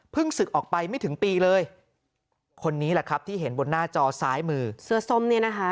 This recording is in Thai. ศึกออกไปไม่ถึงปีเลยคนนี้แหละครับที่เห็นบนหน้าจอซ้ายมือเสื้อส้มเนี่ยนะคะ